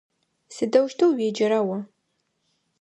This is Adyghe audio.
Сыдэущтэу уеджэра о?